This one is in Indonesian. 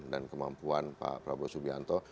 dan kemampuan pak prabowo subianto